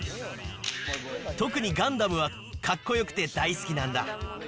特にガンダムはかっこよくて大好きなんだ。